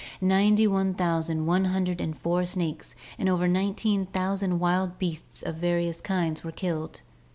Ninety one thousand one hundred and four snakes and over nineteen thousand wild beasts of various kinds were killed."